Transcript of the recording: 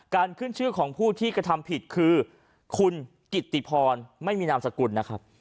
ขึ้นชื่อของผู้ที่กระทำผิดคือคุณกิตติพรไม่มีนามสกุลนะครับ